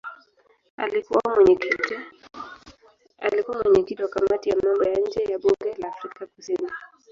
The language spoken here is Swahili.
Alikuwa mwenyekiti wa kamati ya mambo ya nje ya bunge la Afrika Kusini.